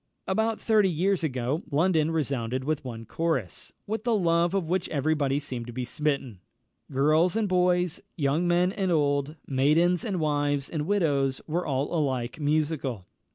About thirty years ago London resounded with one chorus, with the love of which every body seemed to be smitten. Girls and boys, young men and old, maidens and wives and widows, were all alike musical.